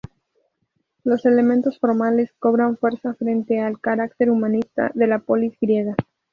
Los elementos formales cobran fuerza frente al carácter humanista de la "polis" griega.